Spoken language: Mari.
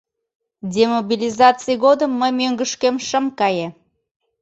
Демобилизаций годым мый мӧҥгышкем шым кае.